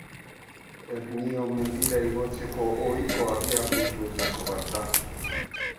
Ernio mendira igotzeko ohiko abiapuntuetako bat da.